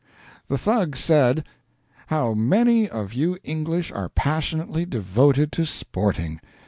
The Thug said: "How many of you English are passionately devoted to sporting!